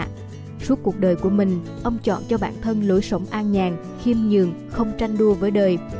trong cuộc đời của mình ông chọn cho bản thân lối sống an nhàng khiêm nhường không tranh đua với đời